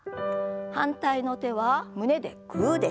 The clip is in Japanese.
反対の手は胸でグーです。